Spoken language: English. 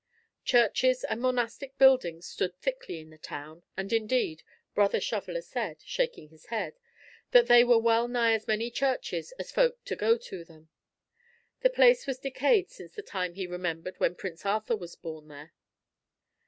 Churches and monastic buildings stood thickly in the town, and indeed, Brother Shoveller said, shaking his head, that there were well nigh as many churches as folk to go to them; the place was decayed since the time he remembered when Prince Arthur was born there.